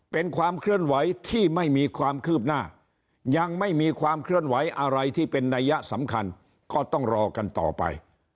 เป็นความเคลื่อนไหวที่ไม่มีความคืบหน้ายังไม่มีความเคลื่อนไหวอะไรที่เป็นนัยยะสำคัญก็ต้องรอกันต่อไป